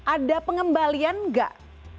ada pengembalian nggak